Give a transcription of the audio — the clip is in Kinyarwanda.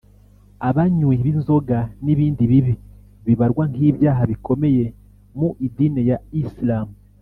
abanywi b’inzoga n‘ibindi bibi bibarwa nk’ibyaha bikomeye mu idini ya Islam